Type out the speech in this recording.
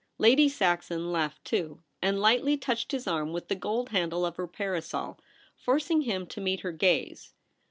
Lady Saxon laughed too ; and lightly touched his arm with the gold handle of her parasol, forcing him to meet her gaze.